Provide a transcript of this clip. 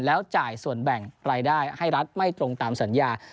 แล้วจ่ายส่วนแบ่งรายได้ให้รัฐไม่ตรงตามสัญญา